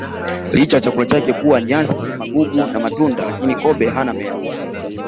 Licha ya chakula chake kuwa nyasi magugu na matunda lakini kobe hana meno